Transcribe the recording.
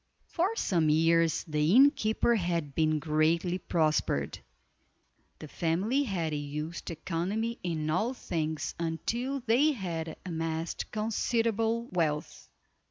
For some years the innkeeper had been greatly prospered. The family had used economy in all things until they had amassed considerable wealth.